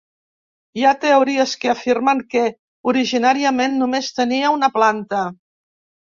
Hi ha teories que afirmen que originàriament només tenia una planta.